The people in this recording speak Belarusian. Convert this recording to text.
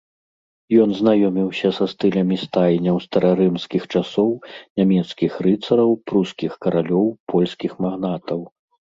Ён знаёміўся са стылямі стайняў старарымскіх часоў, нямецкіх рыцараў, прускіх каралёў, польскіх магнатаў.